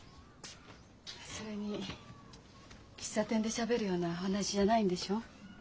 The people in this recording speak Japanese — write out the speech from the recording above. それに喫茶店でしゃべるようなお話じゃないんでしょ？